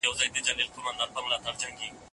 د دین او دود ترکیب د نورو برخو په پرتله تاثیرګذار دی.